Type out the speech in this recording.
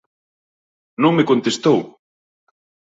Non me contestou.